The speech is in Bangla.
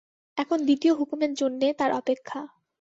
এখন দ্বিতীয় হুকুমের জন্যে তার অপেক্ষা।